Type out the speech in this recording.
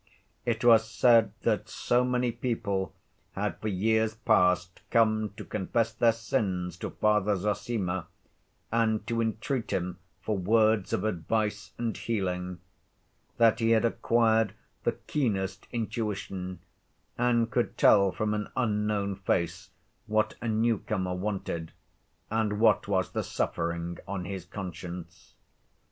It was said that so many people had for years past come to confess their sins to Father Zossima and to entreat him for words of advice and healing, that he had acquired the keenest intuition and could tell from an unknown face what a new‐comer wanted, and what was the suffering on his conscience.